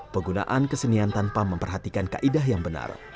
penggunaan kesenian tanpa memperhatikan kaidah yang benar